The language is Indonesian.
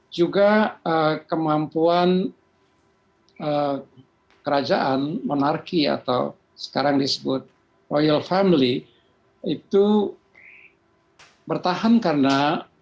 juga kemampuan kerajaan monarki atau sekarang disebut royal family itu bertahan karena